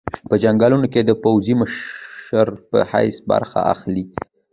په جنګونو کې د پوځي مشر په حیث برخه اخلي.